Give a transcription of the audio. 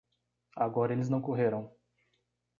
Agora eles não correram.